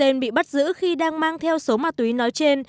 hai tên bị bắt giữ khi đang mang theo số ma túy nói trên